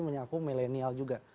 mengaku milenial juga